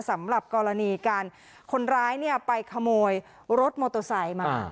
สำหรับกรณีการคนร้ายเนี่ยไปขโมยรถมอเตอร์ไซค์มา